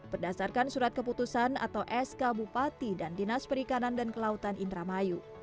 berdasarkan surat keputusan atau sk bupati dan dinas perikanan dan kelautan indramayu